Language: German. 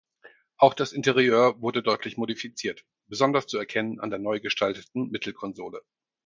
Auch das Interieur wurde deutlich modifiziert, besonders zu erkennen an der neu gestalteten Mittelkonsole.